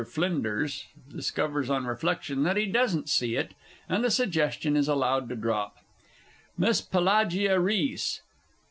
FLINDERS discovers on reflection, that he doesn't see it, and the suggestion is allowed to drop. MISS PELAGIA RHYS.